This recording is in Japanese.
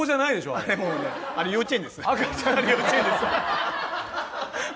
あれ、幼稚園です。